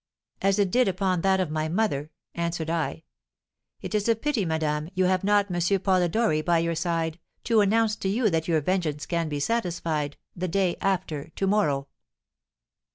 'As it did upon that of my mother,' answered I. 'It is a pity, madame, you have not M. Polidori by your side, to announce to you that your vengeance can be satisfied the day after to morrow."